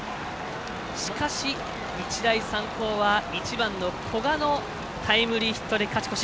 しかし、日大三高は１番の古賀のタイムリーヒットで勝ち越し。